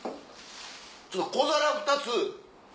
ちょっと小皿２つ。